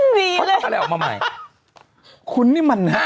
นี่เลยคุณนี่มันน่ะ